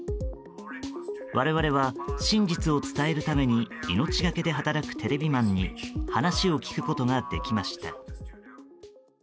我々は、真実を伝えるために命がけで働くテレビマンに話を聞くことができました。